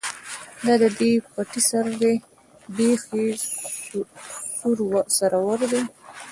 ـ دا دې پټي سر دى ،بېخ يې سورور دى.